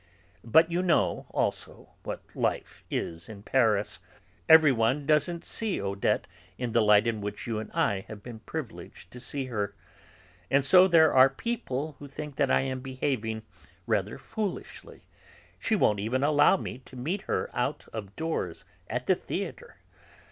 But you know, also, what life is in Paris. Everyone doesn't see Odette in the light in which you and I have been Privileged to see her. And so there are people who think that I am behaving rather foolishly; she won't even allow me to meet her out of doors, at the theatre.